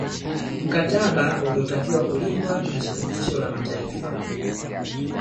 Mktaba uliotakiwa kulindwa na Shirikisho la Mataifa